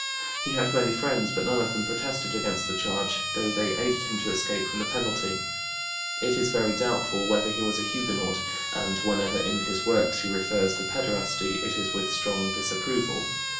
He had many friends but none of them protested against the charge, though they aided him to escape from the penalty. It is very doubtful whether he was a Huguenot, and whenever in his works he refers to pederasty it is with strong disapproval.